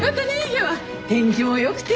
今日は天気もよくて。